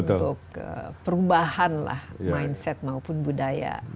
untuk perubahan lah mindset maupun budaya